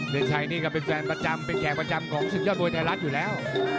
เลชายก็เป็นแฟนประจำเป็นแก่ประจำของทหารรัฐอยู่แล้ว